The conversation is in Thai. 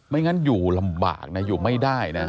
งั้นอยู่ลำบากนะอยู่ไม่ได้นะ